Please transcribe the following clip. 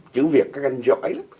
chữ việt các anh giỏi lắm